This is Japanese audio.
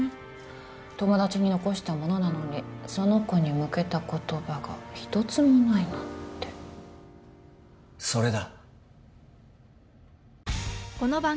友達に残したものなのにその子に向けた言葉が一つもないなんてそれだ